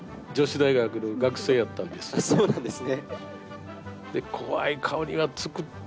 そうなんですね。